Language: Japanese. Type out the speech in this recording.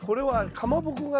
かまぼこ形。